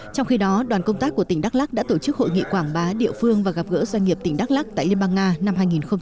trong khi đó đoàn công tác của tỉnh đắk lắc đã tổ chức hội nghị quảng bá địa phương và gặp gỡ doanh nghiệp tỉnh đắk lắc tại liên bang nga năm hai nghìn hai mươi